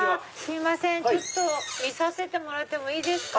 ちょっと見させてもらってもいいですか？